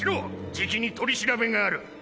じきに取り調べがある。